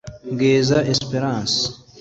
Mwiza Espérance